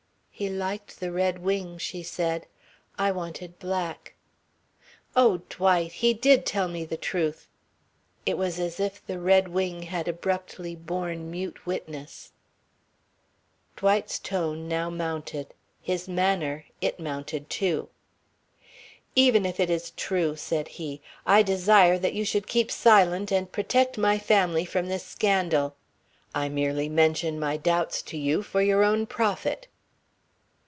"He liked the red wing," she said. "I wanted black oh, Dwight! He did tell me the truth!" It was as if the red wing had abruptly borne mute witness. Dwight's tone now mounted. His manner, it mounted too. "Even if it is true," said he, "I desire that you should keep silent and protect my family from this scandal. I merely mention my doubts to you for your own profit."